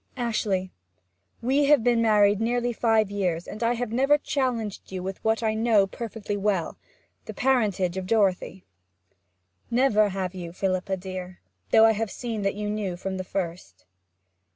'Ashley, we have been married nearly five years, and I have never challenged you with what I know perfectly well the parentage of Dorothy.' 'Never have you, Philippa dear. Though I have seen that you knew from the first.'